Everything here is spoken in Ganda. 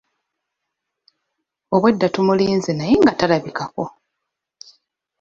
Obwedda tumulize nga naye talabikako.